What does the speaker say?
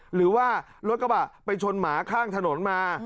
หรือว่ารถกระบะไปชนหมาข้างถนนมา